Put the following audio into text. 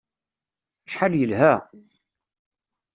Acḥal yelha!